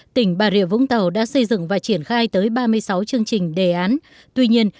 tỉnh bà rịa vũng tàu đã xây dựng và triển khai tới ba mươi sáu chương trình đề án tuy nhiên